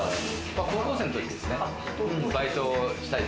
高校生の時ですね、バイトしたい。